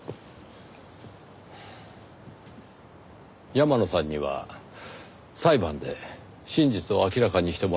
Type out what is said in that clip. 山野さんには裁判で真実を明らかにしてもらいます。